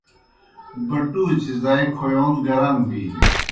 بَٹُوڅِیْ زائی کھویون گران بِینیْ۔